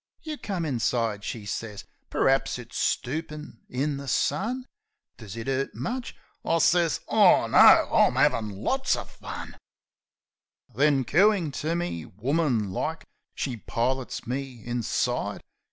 "You come inside," she sez. "Per'aps it's stoopin' in the sun. Does it 'urt much?" I sez, "Oh, no; I'm 'avin' lots o' fun." 18 Possum Then, cooin' to me, woman like, she pilots me inside.